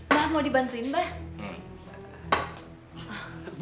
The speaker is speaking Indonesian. mbak mau dibantuin mbak